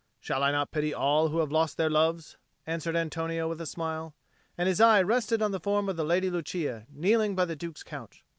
"Shall I not pity all who have lost their loves?" answered Antonio with a smile, and his eye rested on the form of the Lady Lucia kneeling by the Duke's couch.